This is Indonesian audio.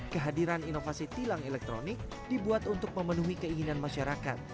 kehadiran inovasi tilang elektronik dibuat untuk memenuhi keinginan masyarakat